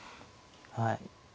はい。